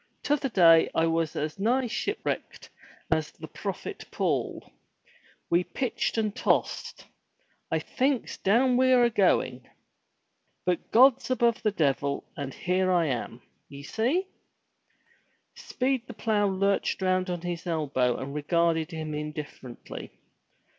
T'other day I was as nigh ship wrecked as the prophet Paul. We pitched and tossed. I thinks, down we're a going. 232 FROM THE TOWER WINDOW But God's above the devil, and here I am, ye see/' i Speed the plough lurched round on his elbow and regarded him indifferently.